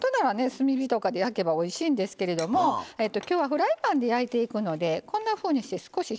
炭火とかで焼けばおいしいんですけれどもきょうはフライパンで焼いていくのでこんなふうにして少し表面に小麦粉をうっすらとつけて。